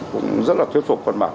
cũng rất là thuyết phục con bạc